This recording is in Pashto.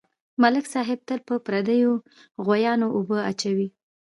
ملک صاحب تل په پردیو غویانواوبه اچوي.